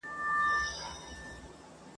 د خپلواکۍ جشن يوازي يوه ورځ نه دئ.